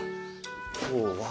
今日は。